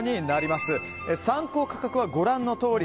参考価格はご覧のとおり。